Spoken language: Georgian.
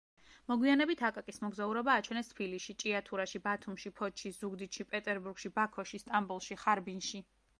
მოგვიანებით „აკაკის მოგზაურობა“ აჩვენეს თბილისში, ჭიათურაში, ბათუმში, ფოთში, ზუგდიდში, პეტერბურგში, ბაქოში, სტამბოლში, ხარბინში.